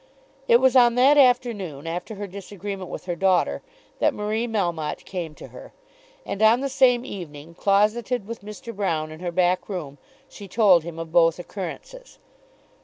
It was on that afternoon, after her disagreement with her daughter, that Marie Melmotte came to her. And, on that same evening, closeted with Mr. Broune in her back room, she told him of both occurrences.